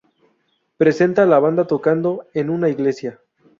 Presenta a la banda tocando en una iglesia.